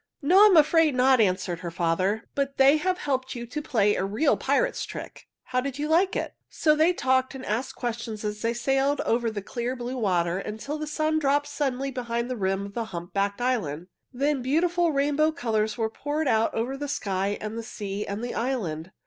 "No, I am afraid not," answered her father. "But they have helped you to play a real pirate's trick. How did you like it?" So they talked and asked questions as they sailed on over the clear, blue water, until the sun dropped suddenly behind the rim of the humpbacked island. Then beautiful rainbow colors were poured out over the sky and the sea and the island.